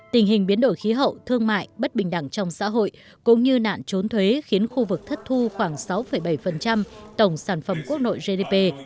tình hình biến đổi khí hậu thương mại bất bình đẳng trong xã hội cũng như nạn trốn thuế khiến khu vực thất thu khoảng sáu bảy tổng sản phẩm quốc nội gdp